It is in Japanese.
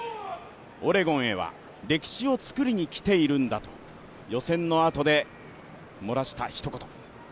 オレゴンへは歴史を作りにきているんだと予選のあとで漏らしたひと言。